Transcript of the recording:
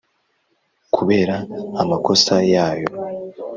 kubera amakosa yayo.